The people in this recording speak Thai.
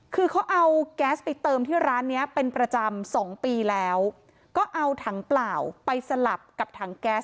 คือเขาเอาแก๊สไปเติมที่ร้านเนี้ยเป็นประจำสองปีแล้วก็เอาถังเปล่าไปสลับกับถังแก๊ส